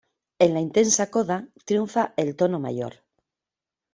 En la intensa coda triunfa el tono mayor.